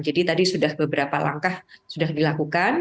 jadi tadi sudah beberapa langkah sudah dilakukan